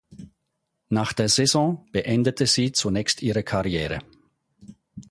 Nach der Saison beendete sie zunächst ihre Karriere.